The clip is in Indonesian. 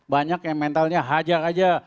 banyak yang mentalnya hajar aja